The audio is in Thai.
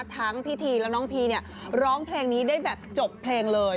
ทั้งพี่ทีและน้องพีเนี่ยร้องเพลงนี้ได้แบบจบเพลงเลย